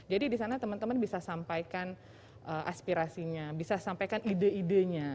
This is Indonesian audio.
jadi di sana teman teman bisa sampaikan aspirasinya bisa sampaikan ide idenya